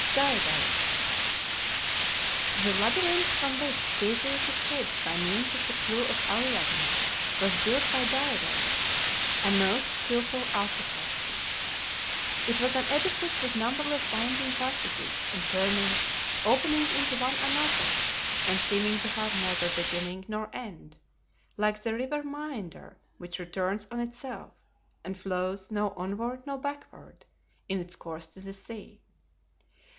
DAEDALUS The labyrinth from which Theseus escaped by means of the clew of Ariadne was built by Daedalus, a most skilful artificer. It was an edifice with numberless winding passages and turnings opening into one another, and seeming to have neither beginning nor end, like the river Maeander, which returns on itself, and flows now onward, now backward, in its course to the sea.